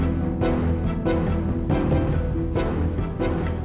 tidak ada apa apa